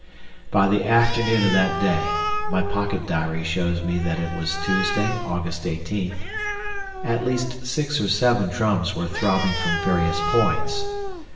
By the afternoon of that day my pocket diary shows me that it was Tuesday, August 18th at least six or seven drums were throbbing from various points.